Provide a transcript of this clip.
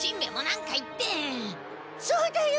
そうだよ